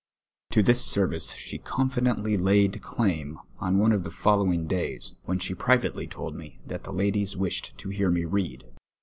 To this service she confidently laid claim on one of the fol lowin<z: days, when she privately told me that the ladies wished to hear me read.